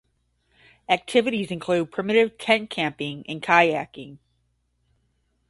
Activities include primitive tent camping and kayaking.